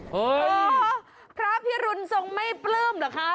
โอ้โหพระพิรุณทรงไม่ปลื้มเหรอคะ